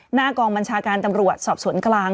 หน้ากองบัญชาการตำรวจสอบสวนกลาง